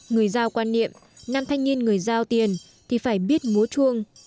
người giao quan niệm nam thanh niên người giao tiền thì phải biết múa chuông